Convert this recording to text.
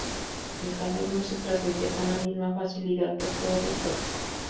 El calor no se transmite con la misma facilidad por todos los cuerpos.